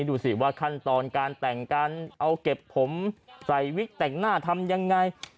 ดูสิว่าขั้นตอนการแต่งการเอาเก็บผมใส่วิกแต่งหน้าทำยังไง